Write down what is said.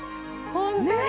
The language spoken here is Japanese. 本当に。